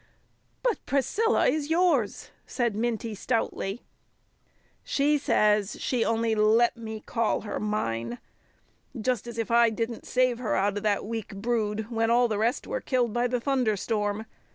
"But Priscilla is yours," said Minty stoutly. "She says she only let me call her mine. Just as if I didn't save her out of that weak brood when all the rest were killed by the thunderstorm!